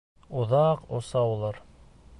Оҙаҡ оса улар.